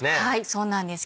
そうなんです